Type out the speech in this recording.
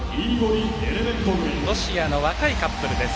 ロシアの若いカップルです。